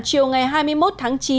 chiều ngày hai mươi một tháng chín